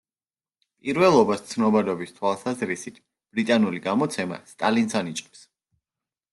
პირველობას ცნობადობის თვალსაზრისით, ბრიტანული გამოცემა სტალინს ანიჭებს.